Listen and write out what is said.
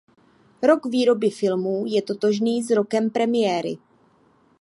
Rok výroby filmů je totožný s rokem premiéry.